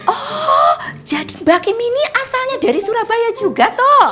oh jadi mbak kim ini asalnya dari surabaya juga toh